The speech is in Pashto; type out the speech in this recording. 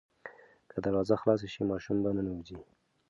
که دروازه خلاصه شي ماشوم به ننوځي.